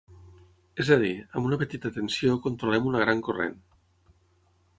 És a dir, amb una petita tensió controlem una gran corrent.